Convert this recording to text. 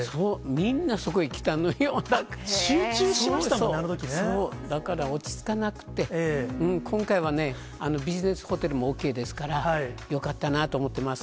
みんな集中したのよ、だから落ち着かなくて、今回はね、ビジネスホテルもＯＫですから、よかったなと思ってます。